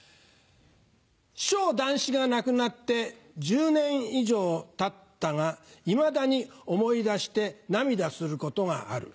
「師匠談志が亡くなって１０年以上たったがいまだに思い出して涙することがある」。